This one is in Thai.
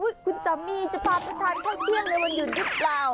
ละเอ้ยคุณสามีจะพาผู้ทานเข้าเที่ยงในวันหยุดหรือเปล่า